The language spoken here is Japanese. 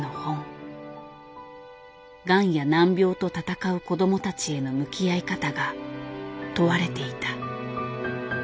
がんや難病と闘う子どもたちへの向き合い方が問われていた。